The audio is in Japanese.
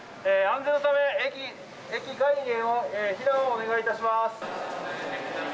安全のため、駅外への避難をお願いいたします。